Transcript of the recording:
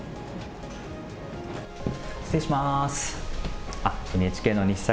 失礼します。